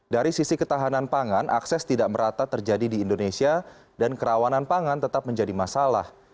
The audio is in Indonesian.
dari sisi ketahanan pangan akses tidak merata terjadi di indonesia dan kerawanan pangan tetap menjadi masalah